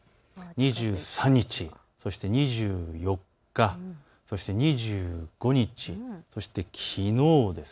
２３日、そして２４日、そして２５日、そして、きのうです。